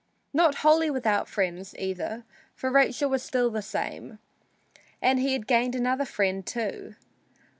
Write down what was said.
Not wholly without friends, either, for Rachel was still the same. And he had gained another friend, too.